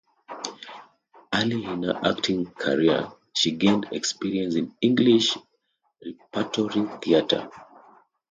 Early in her acting career, she gained experience in English repertory theatre.